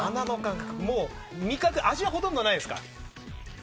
味覚、味はほとんどないですから。